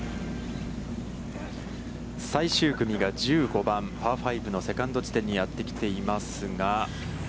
最終組が１５番、パー５のセカンド地点にやってきていますが。